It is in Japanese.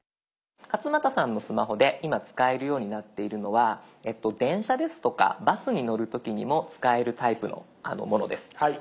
勝俣さんのスマホで今使えるようになっているのは電車ですとかバスに乗る時にも使えるタイプのものです。